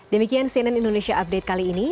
demikian cnn indonesia update kali ini